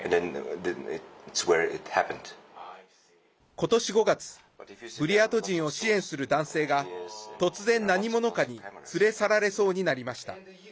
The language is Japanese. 今年５月ブリヤート人を支援する男性が突然、何者かに連れ去られそうになりました。